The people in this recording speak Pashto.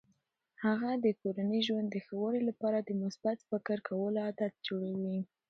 هغه د کورني ژوند د ښه والي لپاره د مثبت فکر کولو عادات جوړوي.